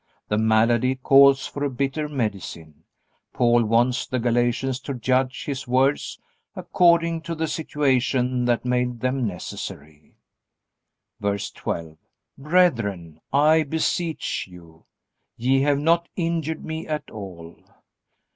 The malady calls for a bitter medicine. Paul wants the Galatians to judge his words according to the situation that made them necessary. VERSE 12. Brethren, I beseech you...Ye have not injured me at all.